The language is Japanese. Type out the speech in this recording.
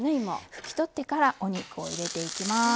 拭き取ってからお肉を入れていきます。